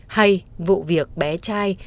hay vụ việc bé trai